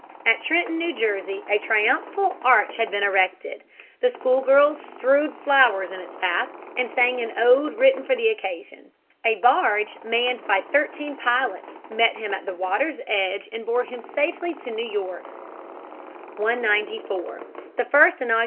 At Trenton, New Jersey, a triumphal arch had been erected. The school girls strewed flowers in his path and sang an ode written for the occasion. A barge manned by thirteen pilots met him at the water's edge and bore him safely to New York. [Sidenote: Washington inaugurated President, 1789.